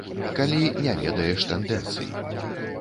Калі не ведаеш тэндэнцый.